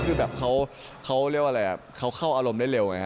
คือแบบเขาเขาเข้าอารมณ์เร็อย